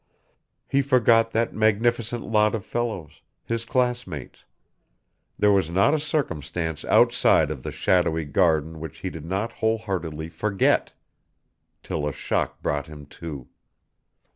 He forgot that magnificent lot of fellows, his classmates; there was not a circumstance outside of the shadowy garden which he did not whole heartedly forget. Till a shock brought him to.